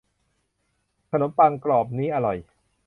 ขนมปังกรอบนี้อร่อย